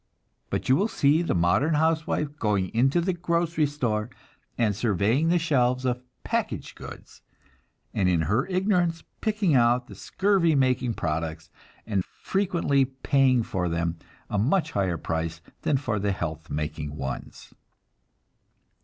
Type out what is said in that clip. But you will see the modern housewife going into the grocery store, and surveying the shelves of "package" goods, and in her ignorance picking out the scurvy making products, and frequently paying for them a much higher price than for the health making ones!